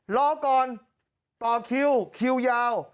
รอก่อนต่อคิวคิวยาว